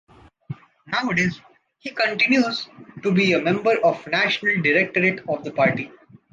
Nowadays, he continues to be a Member of the National Directorate of the party.